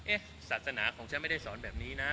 ศาสนาของฉันไม่ได้สอนแบบนี้นะ